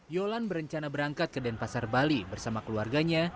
yolan berencana berangkat ke denpasar bali bersama keluarganya